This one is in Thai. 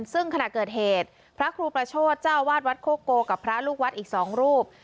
ซึ่งขณะเกิดเหตุพระครูประโชธเจ้าวาดวัดโคโกกับพระลูกวัดอีก๒รูป